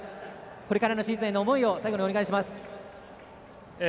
これからのシーズンへの思いを最後にお願いします。